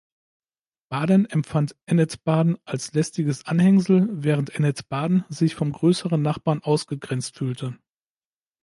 Baden empfand Ennetbaden als lästiges Anhängsel, während Ennetbaden sich vom grösseren Nachbarn ausgegrenzt fühlte.